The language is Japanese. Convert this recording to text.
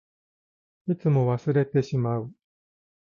いつも忘れてしまう。